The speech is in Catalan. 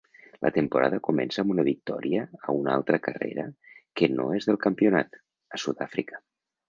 La temporada comença amb una victòria a una altra carrera que no és del campionat, a Sudàfrica.